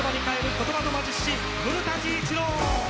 言葉の魔術師古伊知郎！